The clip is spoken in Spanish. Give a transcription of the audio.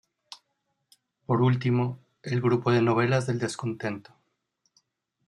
Por último, el grupo de Novelas del descontento.